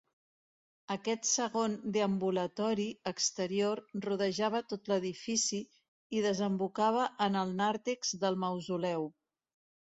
Aquest segon deambulatori exterior rodejava tot l'edifici i desembocava en el nàrtex del mausoleu.